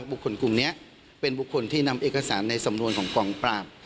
กลุ่มนี้เป็นบุคคลที่นำเอกสารในสำนวนของกองปราบ